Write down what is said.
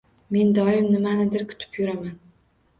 Men doim nimanidir kutib yuraman